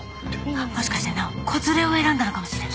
もしかして直央子連れを選んだのかもしれない。